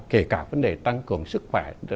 kể cả vấn đề tăng cường sức khỏe